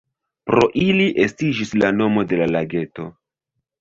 Pro ili estiĝis la nomo de la lageto.